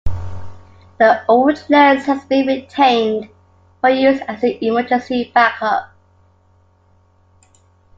The old lens has been retained for use as an emergency backup.